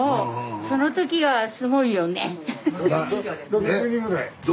６０人ぐらい。